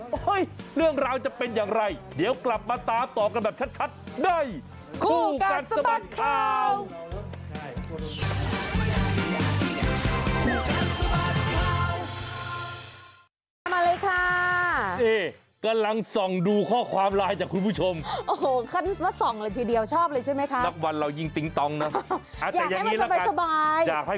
เฮ้ยเรื่องราวจะเป็นอย่างไรเดี๋ยวกลับมาตามต่อกันแบบชัดได้